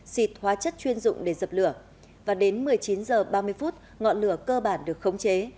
xịt hóa chất chuyên dụng để dập lửa và đến một mươi chín h ba mươi phút ngọn lửa cơ bản được khống chế